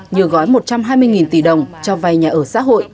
nhờ gói một trăm hai mươi tỷ đồng cho vai nhà ở xã hội